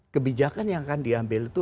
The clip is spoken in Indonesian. kebijakan yang akan diambil itu